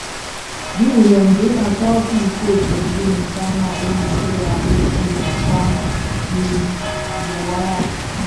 Di iremzëna kō ki terrèn bi ntanag wu mëlèya bi zi bëkpa dhi dhuwara.